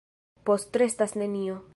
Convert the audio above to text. Postrestas nenio.